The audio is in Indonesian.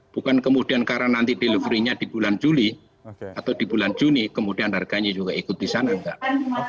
bukan kemudian karena nanti delivery nya di bulan juli atau di bulan juni kemudian harganya juga ikut di sana enggak